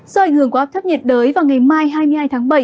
do ảnh hưởng của áp thấp nhiệt đới vào ngày mai hai mươi hai tháng bảy